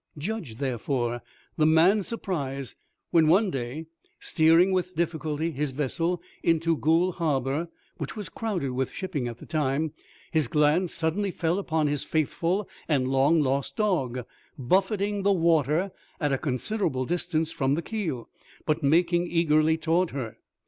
Judge, therefore, the man's surprise when one day steering with difficulty his vessel into Goole Harbour, which was crowded with shipping at the time, his glance suddenly fell upon his faithful and long lost dog, buffeting the water at a considerable distance from the keel, but making eagerly towards her.